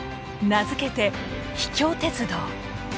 名付けて「秘境鉄道」。